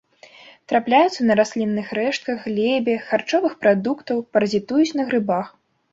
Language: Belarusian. Трапляюцца на раслінных рэштках, глебе, харчовых прадуктах, паразітуюць на грыбах.